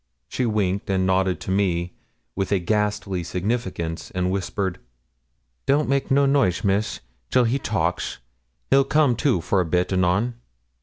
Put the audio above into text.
She winked and nodded to me with a ghastly significance, and whispered 'Don't make no noise, miss, till he talks; he'll come to for a bit, anon.'